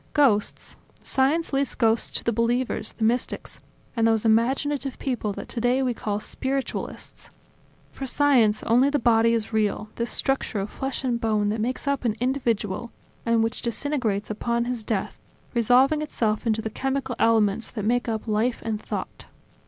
Ghosts ... science leaves ghosts to the believers, the mystics, and those imaginative people that today we call spiritualists. ... For science, only the body is real, this structure of flesh and bone that makes up an individual and which disintegrates upon his death, resolving itself into the chemical elements that make up life and thought.